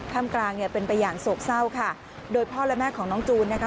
ข้ามกลางเป็นประหย่างโศกเศร้าค่ะโดยพ่อและแม่ของน้องจูนนะคะ